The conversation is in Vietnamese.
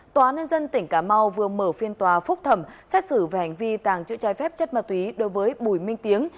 tòa nhân dân tỉnh cà mau vừa mở phiên tòa phúc thẩm xét xử về hành vi tàng trữ trái phép chất ma túy đối với bùi minh tiếng